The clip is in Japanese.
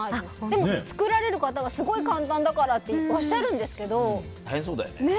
でも作られる方はすごい簡単だからっておっしゃるんですけど。